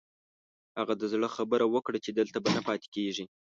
هغه د زړه خبره وکړه چې دلته به نه پاتې کېږي.